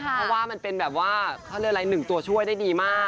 เพราะว่ามันเป็นแบบว่าเขาเรียกอะไรหนึ่งตัวช่วยได้ดีมาก